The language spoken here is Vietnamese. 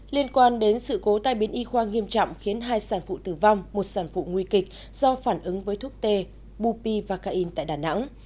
liên quan đến sự cố tai biến y khoa nghiêm trọng khiến hai sản phụ tử vong một sản phụ nguy kịch do phản ứng với thuốc t bupi vàcaine tại đà nẵng